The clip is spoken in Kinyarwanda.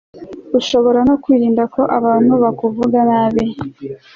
ushobora no kwirinda ko abantu bakuvuga nabi